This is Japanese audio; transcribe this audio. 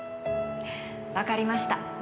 わかりました。